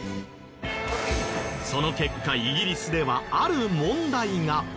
その結果イギリスではある問題が。